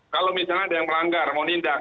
kalau misalnya ada yang melanggar mau nindak